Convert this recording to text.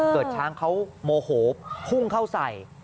เกิดช้างเขาโมโหพุ่งเข้าใส่